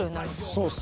そうっす